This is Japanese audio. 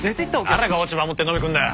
誰が落ち葉持って飲みに来るんだよ。